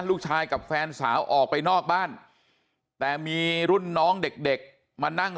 ลูกชายกับแฟนสาวออกไปนอกบ้านแต่มีรุ่นน้องเด็กมานั่ง